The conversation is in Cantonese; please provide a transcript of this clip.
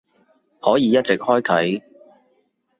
可以一直開啟